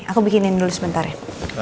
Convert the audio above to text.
aku bikinin dulu sebentar ya